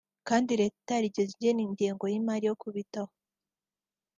kandi leta itarigeze igena ingengo y’imari yo kubitaho